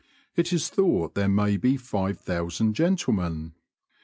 It is thought there may be five thousand gentlemen.